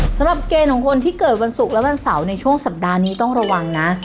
สำหรับเกณฑ์ของคนที่เกิดวันศุกร์และวันเสาร์ในช่วงสัปดาห์นี้ต้องระวังนะ